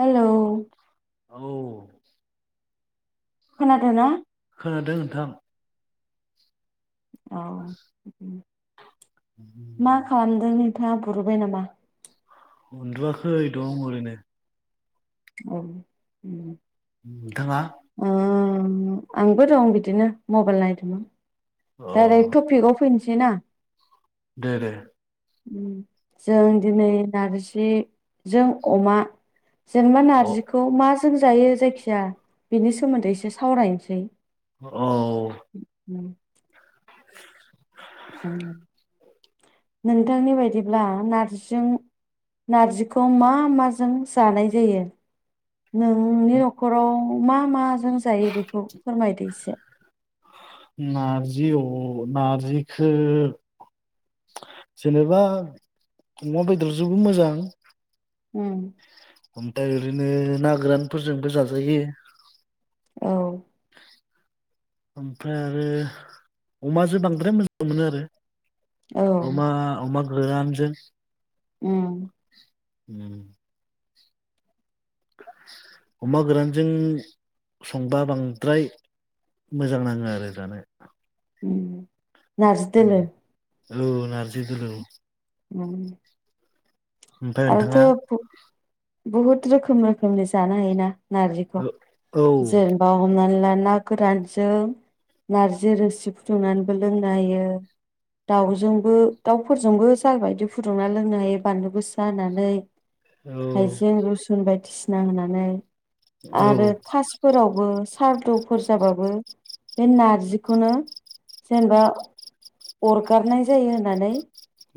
Hello औ खोनादोंना खोनादों नोंथां अ ओ ओम मा खालामदो नो थाङा बुरबाय नामा? उन्दुआखै दं ओरैनो। औ उम नोंथाङा अ आंबो दं बिदिनो मबाइल नायदोमोन अ डायरेक्ट टपिक आव फैनोसै ना? दे दे उम्म जों दिनै नारजि जों अमा जेनेबा अ नारजिखौ माजों जायो जाय खिया बिनि सोमोन्दै एसे सावराय सै औ नोंथांनि बायदिब्ला नारजिजों नारजिखौ मा माजों जानाय जायो नोंनि न'खराव मा माजों जायो बेखौ फोरमायदो इसे। जि अ नारजिखो जेनेबा अमा बेदरजोंबो मोजां उम्म ओमफाय ओरैनो ना गोरानफोरजोंबो जाजायो। औ। ओमफ्राय आरो अमाजों बांद्राय मोजां मोनो आरो। औ अमा अमा गोरान जों उम्म उम्म अमा गोरानजों संबा बांद्राय मोजां नाङो आरो जानो। उम्म नारजि दोलो औ नारजि दोलो औ। उम्म ओमफ्राय आंथ नोंथाङा बु बुहुद रोखोम रोखोमनि जानो हायोना नारजिख औ जेनेबा हमनानै ला ना गोरानजों नारजि रोसि फुदुंनानैबो लोंनो हायो दाउजोंबो दाउफोरजोंबो साय बायदि फुदुंनानै लोंनो हायो बानलु गोस सा होनानै औ हायजें रुसुन बायदिस ना होनानै औ आरो खासफोराव सारदुफोर जाबाबो बे नारजिखौनो जेनेबा अरगारनायय थायो होननानै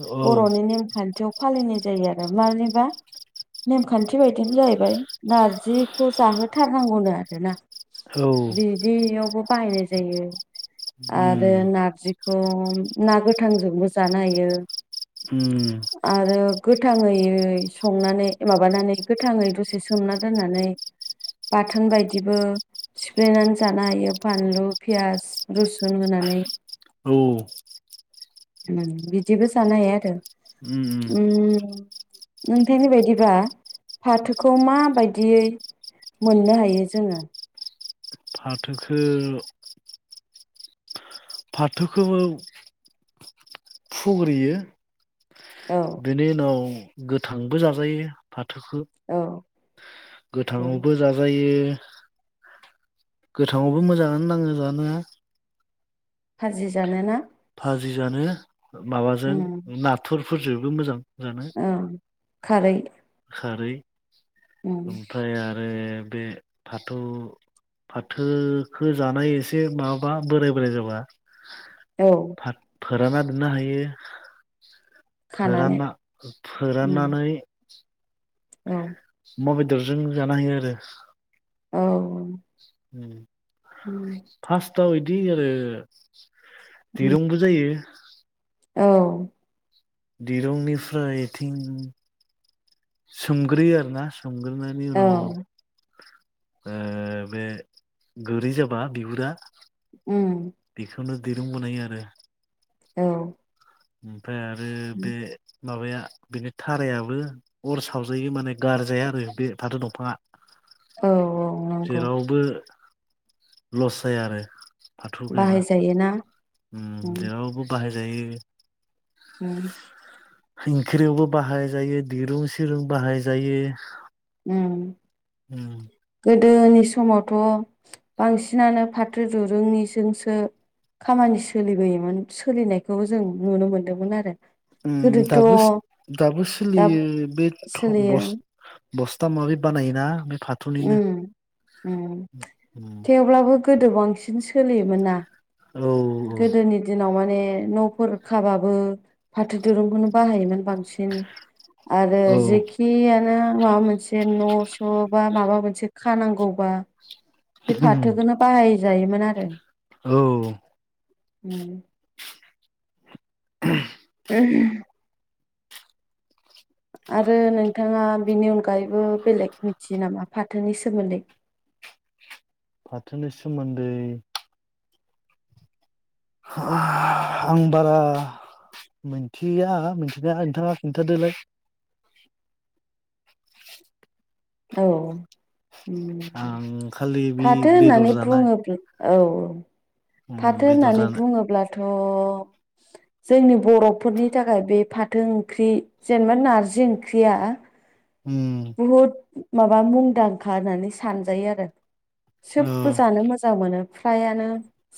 औ बरनि नेमखान्थियाव फालिनाय जायो आरो मानिबा नेमखान्थि बायदियैनो जाहैबाय नारजिखौ जाहोथारनांगौनो आरोना। औ बिदियावबो बाहायनाय जायो। उम आरो नारजि अ ना गोथांजोंबो जानो हायो। उम आरो गोथांङै संनानै माबानानै गोथांङै दसे सोमना दोननानै बाथोन बायदिबो सिफ्लेनानै जानो हायो फानलु पियास रुसुन होनानै। औ बिदिबो जानो हायो आरो अम नोंथांनि बायदिबा फाथोखौ माबायदियै मोननो हायो जोंङो। फाथोखो फाथोखोबो फुग्रियो। औ बिनि उनाव गोथांबो जाजायो फा थोखो औ औ गोथांङावबो जाजायो। गोथांङावबो मोजांङानो नांङो जानो। भाजि जानोना भाजि जानो माबाजों नाथुर फोजोबनो मोजां जानो अम खारै [inaudible] उम ओमफाय आ बे बे फाथौ फाथोखो जानाय एसे माबाबा बोराय-बोराय जाबा। औ फोरानना दोननो हायो। खानानै उम फोरानना-फोराननानै औ अमा बेदरजों जानो हायो आरो। औ अम उम फासथाव इ दि आरो उम दिरुंबो जायो। औ दिरुंनिफ्राय इथिं सोमग्रोयो आरो ना। सोमगोरनायनि औ उनाव ओ बे गोरि जाबा बिगुरा उम। बेखौनो दिरुं बनायो आरो। औ। उम। ओमफ्राय आरो बे माबाया बिनि थारायाबो अर सावजायो माने गारजाया आरो बे फाथो दंफाङा। औ औ नंगौ जेरावबो लस जाया आरो फाथो गायबा बाहायजायोना? उम जेरावबो बा हाय जायो। उम। इंख्रियावबो बाहाय जायो दिरुं सिरुं बाहाय जायो। उम। उम। दोनि समावथ' बांसिनानो फाथो दुरुंनिजोंसो खामानि सोलिबोयोमोन सोलिनायखौ जों नुनो मोनदोंमोन आरो। उम दाबो गोदोथ' दाबो दा सोलियो बे थ सोलियो बस बस्था माबि बानायोना फाथोनिनो उम उम थेवब्लाबो गोदो बांसिनसो सोलियोमोन ना औ गोदोनि दिनाव माने न'फोर खाबाबो फाथो दिरुंखौनो बाहायोमोन। बांसिन आरो औ जेखियानो माबा मोनसे न' स' बा माबा मोनसे खानांगौबा बे फाथोखोनो बाहाय जायोमोन आरो। औ। उम। [unintelligible] [unintelligible] आरो नोंथाङा बिनि अनगायैबो बेलेग मिथियो नामा फाथोनि सोमोन्दै? फाथोनि सोमोन्दै आं बारा मिथिया मिथिनाया नोंथाङा खिन्थादोलाय। औ। उम आं खालि बि फाथो होननानै बेदर जानाय बुङोब्ला औ औ उम फाथो बेदर होननानै जानाय बुङोब्ला थ' जोंनि बर'फोरनि थाखाय बे फाथो ओंख्रि जेनेबा नारजि ओंख्रिया उम बहुद माबा मुंदांखा होननानै सानजायो आरो। औ सोबबो जानो मोजां मोनो‌। फ्रायानो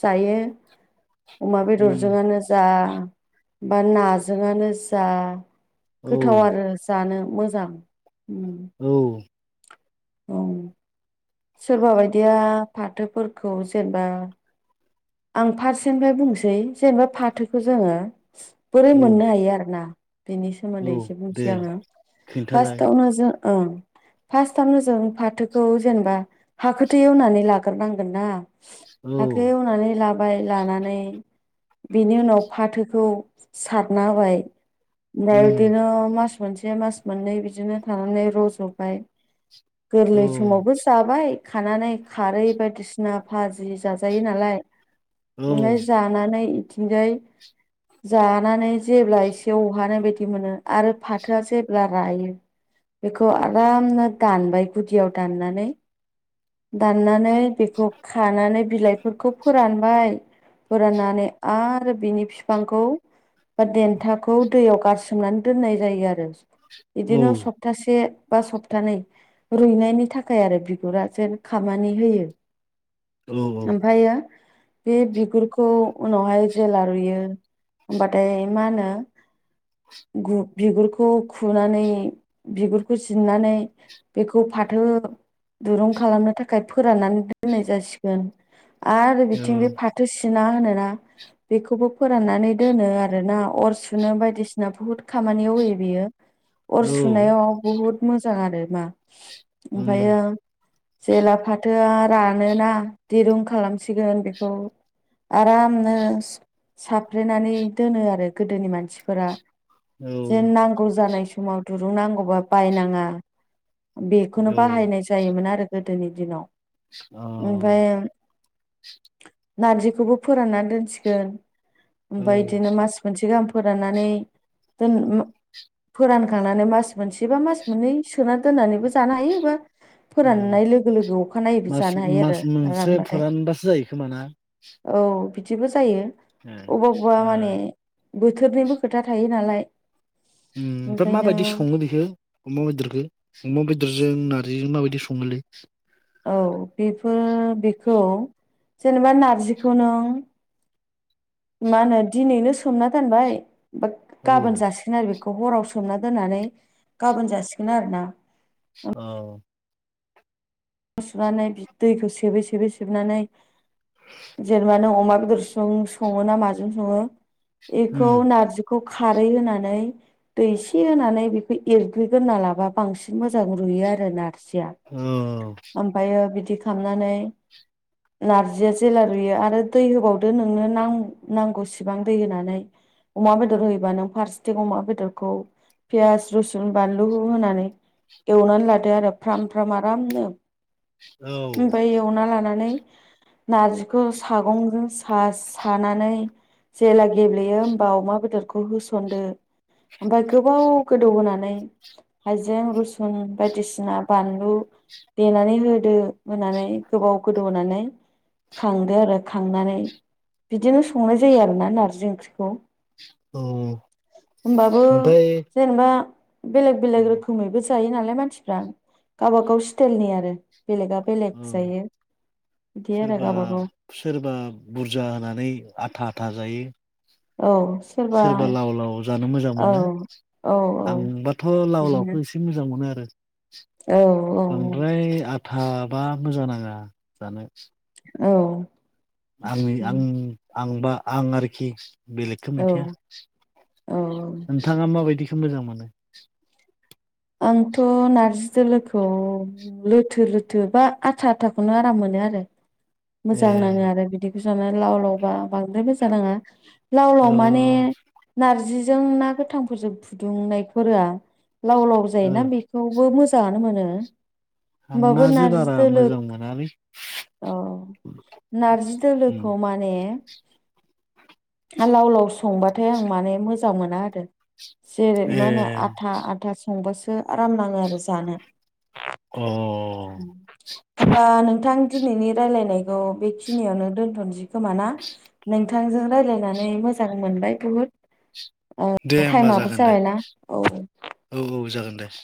जायो। अमा बेदर उम जोङानो जा बा नाजोंआनो जा औ गोथाव आरो जानो। मोजां उम औ औ सोरबा बायदिया फाथोफोरखौ जेनेबा आं फारसेनिफ्राय बुंनोसै जेनेबा फाथोखौ जोङो बोरै औ मोननो हायो आरो ना बेनि सोमोन्दै औ एसे बुंसै दे आङो खिन्थालाय फासथावनो जों ओं फासथावनो जों फाथोखौ जेनेबा हाखोथ' एवनानै लाग्रोनांगोन ना औ बाय लानानै बिनि उनाव फाथोखौ सारना होबाय। ओमफाय दिनो मास मोनसे मास मोननै बिदिनो थानानै रजबाय। गोरलै समावबो जाबाय। खानानै खारै बायदिसिना भाजि जाजायो नालाय ओमाय जानानै थिंजाय जानानै जेब्ला एसे अहानाय बायदि मोनो आरो फाथोआ जेब्ला रायो बेखौ आरामनो दानबाय गुदियाव दाननानै दाननानै बेखौ खानानै बिलाइफोरखौ ओमफाय फोराननानै आरो बिनि फिफांखौ बा देन्थाखौ दैयाव गारसोमनानै दोननाय जायो आरो। बिदिनो सप्तासे बा सप्तानै रुइनायनि थाखाय आरो बिगुरा जेन खामानि होयो। ओमफायो बे बिगुरखौ उनावहाय जेला रुयो होमबाथाय मा होनो गु बिगुरखौ खुनानै बिगुरखौ जिरनानै बेखौ फाथो दुरुं खालामनो थाखाय फोराननानै दोननाय जासिगोन आ थिं जाय फाथो सिना मा होनोना बेखौबो फोराननानै दोनो आरो ना अर सुनो बायदिसिना बुहुथ खामानियाव होयो बियो अर सुनायाव बहुथ मो जां आरो मा ओमफायो जेला फाथोआ रानोना दिरुं खालामसिगोन बे खौ आरामनो साफ्रेनानै दोनो आरो गोदोनि मानसिफोरा जे नांगौ जानाय स समाव दुरुं नांगौबा बायनाङा बेखौनो बाहायनाय जायोमोन आरो गोदोनि दिनाव अ ओमफ्राय नारजिखौबो फोरानना दोनसिगोन ओमफाय इदिनो मास मोनसे गाहाम फोराननानै दोन उम फोरानखांनानै मास मोनसे बा मास मोननै सोना दोननानैबो जानो हायो बा ओ फोराननाय लोगो लोगो अखानायैबो मास जानो हायो आरो मास मोनसे रानबाथाय फोरानबासो जायो खोमा ना? औ बिदिबो जायो। ओ अबावबा माने बोथोरनिबो खोथा थायो नालाय उम ओमफ्रा ओंखायनो माबायदि सङो बेखौ अमा बेदरखौ अमा बेदरजों नारजिजों माबाय सङोलै औ बेफोर बेखौ जेनेबा नारजिखौ नों मा होनो दिनैनो सोमना दानबाय बात औ गाबोन जासिगोन आरो बेखौ हराव सोमना दोननानै गाबोन जासिगोन आरोना औ न' सुनानै दैखौ सेबोै सेबोै सेबनानै जेनबा नों अमा गुसुं सङो ना माजों सङो। एखौ उम नारजिखौ खारै होनानै दैसे होनानै बेखौ एरग्रिग्रोरना लाबा बांसिन मोजां रुयो आरोना औ ओमफायो बिदि दि खालामनानै नारजिया जेला रुयो आरो दै होबावदो नोंनो नां-नांगौसेबां दै होनानै अमा बेदर होयोबा नों फारसेथिं अमा बेदरखौ पियास रुसुन बानलु होनानै एवनानै लादो आरो फ्राम फ्राम आर रामनो औ ओमफाय एवना लानानै नारजिखौ सागंजों सा सानानै जेला गेब्लेयो होमबा अमा बेदरखौ होसनदो ओमफाय गोबाव गोदौ होनोनानै हाइजें रुसुन बायदिसिना बानलु देनानै होदो होनानै गोबाव गोदौ होनानै खांदो आरो खांनानै बिदिनो संनाय जायो आरोना नारजि ओंख्रिखौ औ होनबाबो ओमफ्राय जेनेबा बेलेग बेलेग उम, रोखोमैबो जायो नालाय मानसिफ्रा गावबा गाव सिटेयलनि आरो बेलेगा बेलेग औ जायो बिदि आरो सोरबा गावबा गाव सोरबा बुरजा होनानै आथा आथा जायो सोरबा लाव लाव जानो मोजां औ मोनो औ औ आंबाथ लाव बिदिनो लावखौ एसे मोजां मोनो आरो औ औ औ थाबा मोजां नाङा जानो औ आंनि आं आंबा आं आरोखि बेलेगखो औ मिथिया औ नोंथाङा माबायदि? मोजां मोनो आंथ नार्जि दोलोखौ लोथो लोथो बा आथा आथाखौनो आराम मोनो आरो ए मोजां नाङो आरो बिदिखो जानान लाव लावबा बांद्रायबो जानाङा लाव औ लाव माने नारजिज जों ना गोथांफोरजों फुदुंनाय फोरा लाव लाव जायोना औ बेखौबो मोस [unintelligible] नोमोनो आं मबाबो नाजो नारजि बारा दोलोक मोजां मोनालै औ नारजि दोलोखौ माने आ लाव लावस संबाथाय आं माने मोज जां मोना आरो जेरै ए मा होनो आथा आथा स [unintelligible] ओ आराम नाङो आरो जानो [inaudible] अ होनबा नोंथां दिनैनि रायलायनायखौ बेखिनियावनो दोन्थनसै खोमाना नोंथ थांजों रायलायनानै मोजां मोनबाय बुहुद औ दे होमबा टाइमाबो जागोन दे जाबायना औ। देस